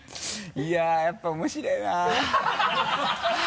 いやぁやっぱ面白いな。